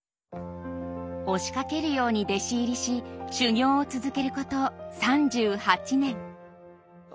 押しかけるように弟子入りし修業を続けること３８年。